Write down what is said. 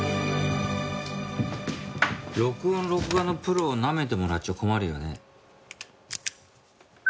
録音・録画のプロをなめてもらっちゃ困るよね。